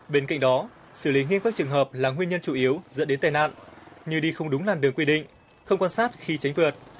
bên cạnh đó xử lý nghiêm các trường hợp là nguyên nhân chủ yếu dẫn đến tai nạn như đi không đúng làn đường quy định không quan sát khi tránh vượt